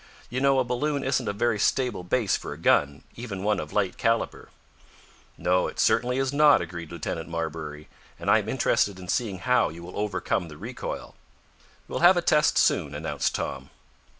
You know a balloon isn't a very stable base for a gun, even one of light caliber." "No, it certainly is not," agreed Lieutenant Marbury, "and I am interested in seeing how you will overcome the recoil." "We'll have a test soon," announced Tom.